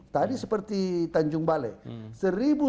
tadi seperti tanjung balai